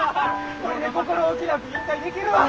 これで心おきなく引退できるわ。